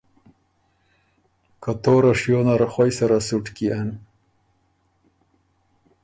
که توره شیو نر خوئ سره سُټ کيېن،